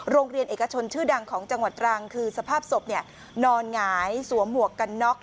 โรงเรียนเอกชนชื่อดังของจังหวัดตรังคือสภาพศพนอนหงายสวมหมวกกันน็อก